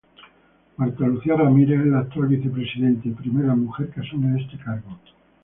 Marta Lucía Ramírez es la actual vicepresidente y primera mujer que asume este cargo.